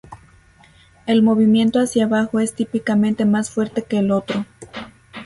El movimiento hacia abajo es típicamente más fuerte que el otro.